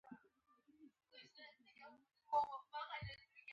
اې پښتونه! ستا وطن دى